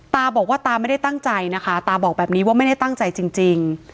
ตาบอกว่าตาไม่ได้ตั้งใจนะคะตาบอกแบบนี้ว่าไม่ได้ตั้งใจจริง